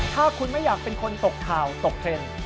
ถ้าคุณไม่อยากเป็นคนตกข่าวตกเทรนด์